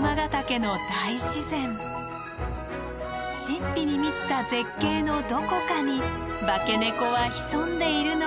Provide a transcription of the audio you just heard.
神秘に満ちた絶景のどこかに化け猫は潜んでいるのかもしれません。